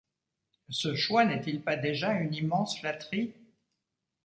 Ce choix n’est-il pas déjà une immense flatterie?